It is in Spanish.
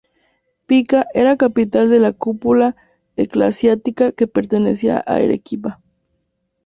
Pica era capital de la cúpula eclesiástica que pertenecía a Arequipa.